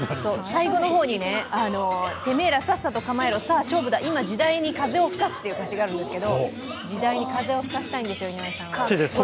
最後の方にね、てめーら、さっさと構えろ、さあ勝負だ、今時代に風を吹かすってあるんですけど時代に風を吹かせたいんですよ、井上さんは。